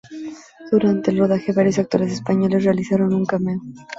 Durante el rodaje, varios actores españoles realizaron un cameo.